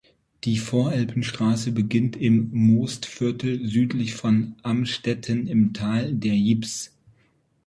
Die Voralpen Straße beginnt im Mostviertel südlich von Amstetten im Tal der Ybbs.